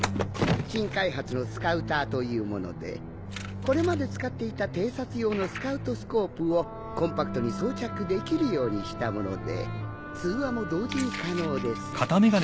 新開発のスカウターという物でこれまで使っていた偵察用のスカウトスコープをコンパクトに装着できるようにした物で通話も同時に可能です。